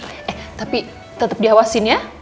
eh tapi tetap diawasin ya